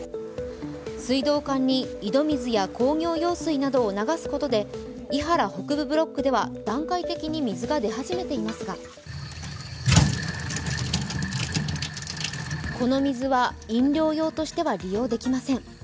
水道管に井戸水や工業用水などを流すことで庵原北部ブロックでは段階的に水が出始めていますがこの水は飲料用としては利用できません。